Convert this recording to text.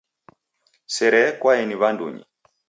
Sere yekwaeni w'andunyi.